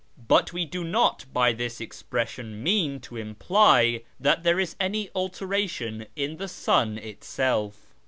But we do not by this expression mean to imply that there is any alteration in the sun itself.